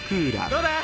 どうだ？